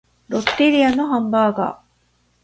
ロッテリアのハンバーガー